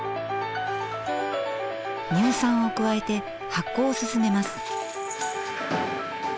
乳酸を加えて発酵を進めます。